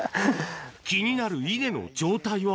気になる稲の状態は。